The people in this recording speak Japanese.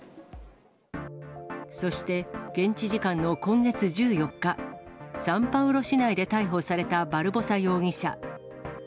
そして、現地時間の今月１４日、サンパウロ市内で逮捕されたバルボサ容疑者。